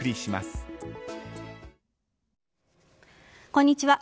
こんにちは。